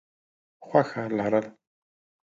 خوښه لرل: